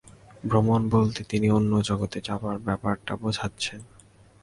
ভ্রমণ বলতে তিনি অন্য জগতে যাবার ব্যাপারটা বোঝাচ্ছেন।